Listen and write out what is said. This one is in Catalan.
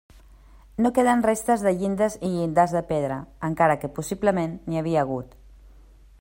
No queden restes de llindes i llindars de pedra, encara que possiblement n'hi havia hagut.